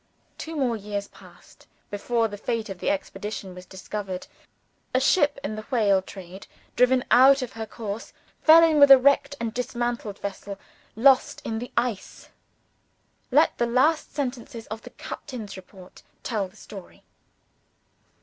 Two more years passed before the fate of the expedition was discovered. A ship in the whale trade, driven out of her course, fell in with a wrecked and dismantled vessel, lost in the ice. Let the last sentences of the captain's report tell the story.